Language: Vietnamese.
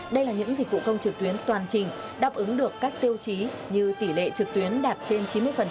đây là những dịch vụ công trực tuyến toàn trình đáp ứng được các tiêu chí như tỷ lệ trực tuyến đạt trên chín mươi